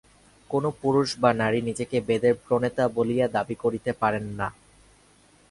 কোন পুরুষ বা নারী নিজেকে বেদের প্রণেতা বলিয়া দাবী করিতে পারেন না।